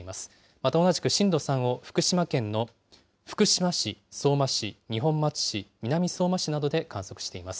また同じく震度３を福島県の福島市、相馬市、二本松市、南相馬市などで観測しています。